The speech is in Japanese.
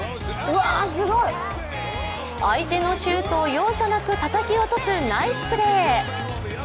相手のシュートを容赦なくたたき落とすナイスプレー。